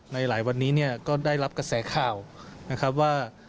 ในหลายวันนี้ก็ได้รับกระแสข่าวว่า